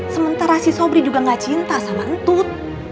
sementara si sobri juga gak cinta sama entut